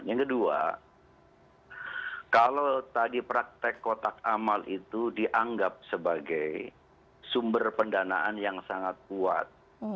yang kedua kalau tadi praktek kotak amal itu dianggap sebagai sumber pendanaan yang sangat kuat